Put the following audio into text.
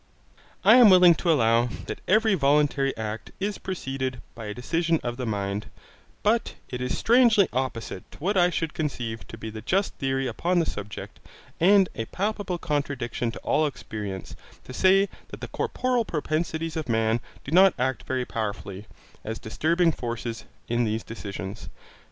I am willing to allow that every voluntary act is preceded by a decision of the mind, but it is strangely opposite to what I should conceive to be the just theory upon the subject, and a palpable contradiction to all experience, to say that the corporal propensities of man do not act very powerfully, as disturbing forces, in these decisions.